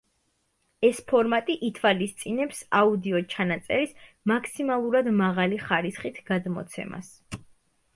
ეს ფორმატი ითვალისწინებს აუდიოჩანაწერის მაქსიმალურად მაღალი ხარისხით გადმოცემას.